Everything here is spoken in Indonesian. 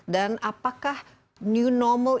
dan apakah new normal